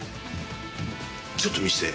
ちょっと見して。